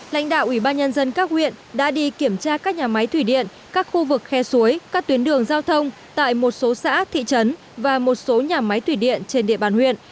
lãnh đạo ủy ban nhân dân các huyện đã đi kiểm tra các nhà máy thủy điện các khu vực khe suối các tuyến đường giao thông tại một số xã thị trấn và một số nhà máy thủy điện trên địa bàn huyện